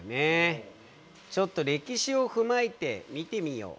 ちょっと歴史を踏まえて見てみよう。